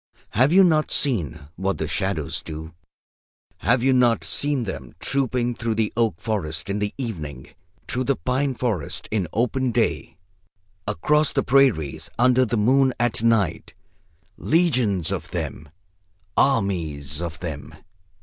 "Have you not seen what the shadows do? Have you not seen them trooping through the oak forest in the evening, through the pine forest in open day, across the prairies under the moon at night, legions of them, armies of them?